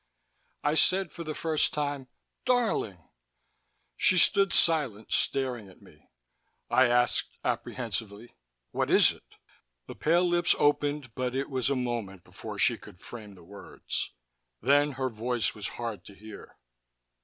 I said, for the first time, "Darling!" She stood silent, staring at me. I asked apprehensively, "What is it?" The pale lips opened, but it was a moment before she could frame the words. Then her voice was hard to hear.